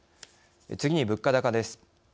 次に物価高です。